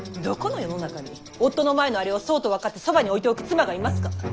どこの世の中に夫の前のあれをそうと分かってそばに置いておく妻がいますか。